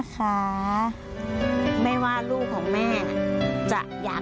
สัญญาณแม่นะคะ